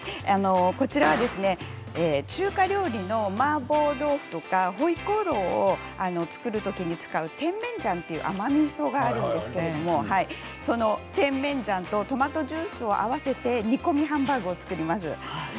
こちらは中華料理のマーボー豆腐とかホイコーローを作るときに使う甜麺醤という甘みそがあるんですけれどその甜麺醤とトマトジュースを合わせて煮込みハンバーグを作ります。